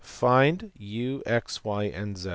Find u t x, ?/, and z.